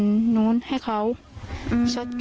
ความปลอดภัยของนายอภิรักษ์และครอบครัวด้วยซ้ำ